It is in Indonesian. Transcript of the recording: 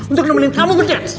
untuk nemenin kamu berdance